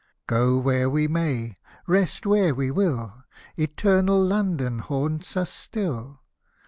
Go where we may — rest where we will, Eternal London haunts us still.